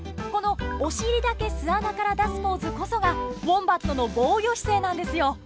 このおしりだけ巣穴から出すポーズこそがウォンバットの防御姿勢なんですよ。